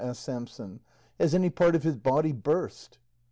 asked Samson; "has any part of his body burst?"